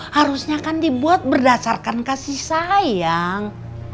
harusnya kan dibuat berdasarkan kasih sayang